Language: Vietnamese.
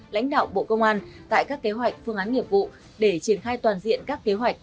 lãnh đạo bộ công an tại các kế hoạch phương án nghiệp vụ để triển khai toàn diện các kế hoạch